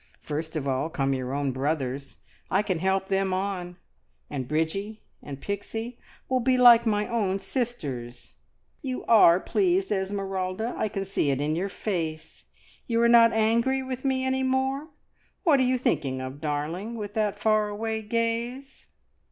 First of all come your own brothers. I can help them on, and Bridgie and Pixie will be like my own sisters. You are pleased, Esmeralda; I can see it in your face. You are not angry with me any more? What are you thinking of, darling, with that far away gaze?"